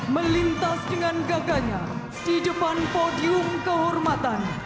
melintas dengan gaganya di depan podium kehormatan